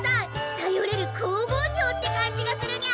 たよれる工房長って感じがするにゃ。